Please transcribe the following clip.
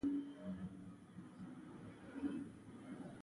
هیلې مې د فراق په خاوره کې ښخې شوې.